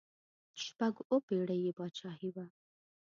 شپږ اووه پړۍ یې بادشاهي وه.